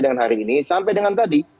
dengan hari ini sampai dengan tadi